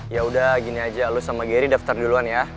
yaudah gini aja lo sama gary daftar duluan ya